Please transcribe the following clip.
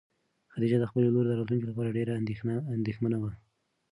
خدیجه د خپلې لور د راتلونکي لپاره ډېره اندېښمنه وه.